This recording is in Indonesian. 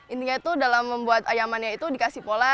intinya itu dalam membuat ayamannya itu dikasih pola